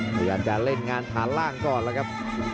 พยายามจะเล่นงานฐานล่างก่อนแล้วครับ